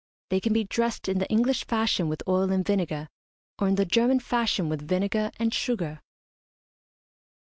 They can be dressed in the English fashion with oil and vinegar, or in the German fashion with vinegar and sugar.